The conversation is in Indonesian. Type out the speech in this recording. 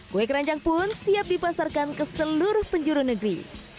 kue keranjang pun siap dipasarkan ke seluruh penjuru negeri